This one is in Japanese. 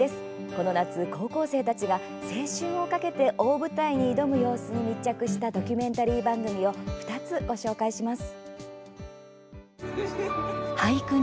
この夏、高校生たちが青春を懸けて大舞台に挑む様子に密着したドキュメンタリー番組を２つ、ご紹介します。